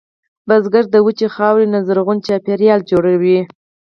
بزګر د وچې خاورې نه زرغون چاپېریال جوړوي